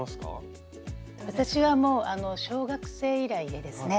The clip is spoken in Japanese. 私はもうあの小学生以来でですね。